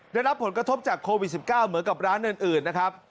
ได้รับผลกระทบจากโควิด๑๙เหมือนกับร้านอื่นนะครับ